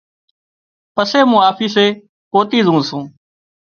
پسي مُون آفيسي پوتِي زُون سُون۔